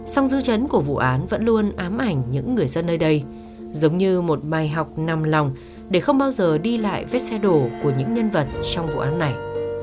song dư chấn của vụ án vẫn luôn ám ảnh những người dân nơi đây giống như một bài học nằm lòng để không bao giờ đi lại vết xe đổ của những nhân vật trong vụ án này